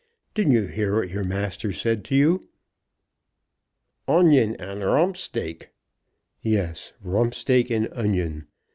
Didn't you hear what your master said to you?" "Onion, and romp steak!" "Yes; rump steak and onion.